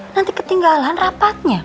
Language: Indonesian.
nanti ketinggalan rapatnya